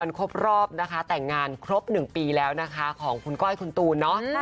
ครบรอบนะคะแต่งงานครบ๑ปีแล้วนะคะของคุณก้อยคุณตูนเนาะ